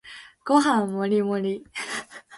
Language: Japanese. ご飯もりもり